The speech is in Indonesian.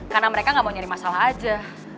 karena mereka gak mau nyari masalah aja